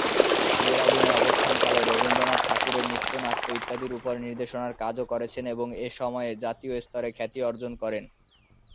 দেরাদুনে অবস্থান কালে রবীন্দ্রনাথ ঠাকুরের নৃত্যনাট্য ইত্যাদির উপর নির্দেশনার কাজও করছেন এবং এ সময়ে জাতীয় স্তরে খ্যাতি অর্জন করেন।